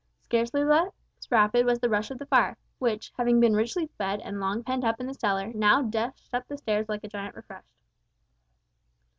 Scarcely less rapid was the rush of the fire, which, having been richly fed and long pent up in the cellar, now dashed up the staircases like a giant refreshed.